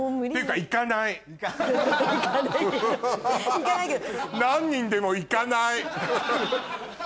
行かないけど。